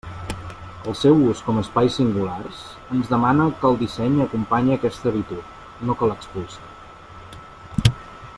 El seu ús com a espais singulars ens demana que el disseny acompanye aquesta habitud, no que l'expulse.